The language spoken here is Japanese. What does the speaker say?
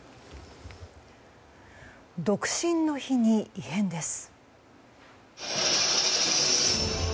独身の日に異変です。